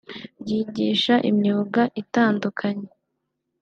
ryigisha imyuga itandukanye